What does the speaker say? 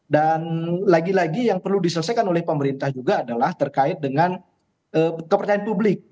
dan lagi lagi yang perlu diselesaikan oleh pemerintah juga adalah terkait dengan kepercayaan publik